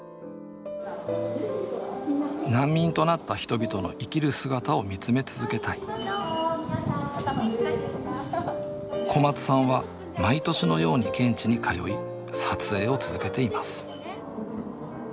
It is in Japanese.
難民となった人々の生きる姿をみつめ続けたい小松さんは毎年のように現地に通い撮影を続けています。